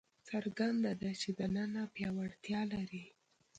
څرګنده ده چې دننه پیاوړتیا لري.